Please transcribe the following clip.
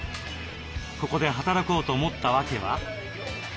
ここで働こうと思った訳は？